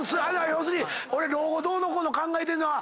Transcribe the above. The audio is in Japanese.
要するに俺老後どうのこうの考えてんのは。